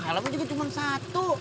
halamu juga cuma satu